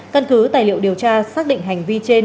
căn cứ tài liệu điều tra xác định hành vi trên